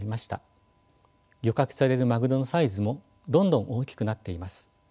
漁獲されるマグロのサイズもどんどん大きくなっています。